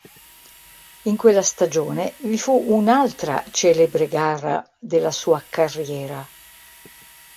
In quella stagione vi fu un'altra celebre gara della sua carriera.